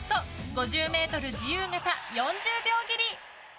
５０ｍ自由形４０秒切り！